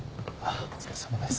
お疲れさまです。